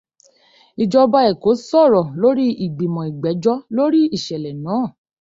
Ìjọba Èkó sọrọ̀ lórí ìgbìmọ̀ igbẹjọ́ lórí ìṣẹ̀lẹ̀ náà.